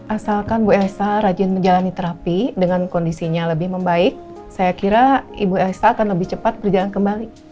asalkan bu elsa rajin menjalani terapi dengan kondisinya lebih membaik saya kira ibu elsa akan lebih cepat berjalan kembali